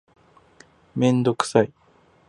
めんどくさい